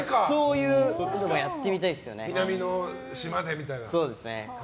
南の島でみたいな。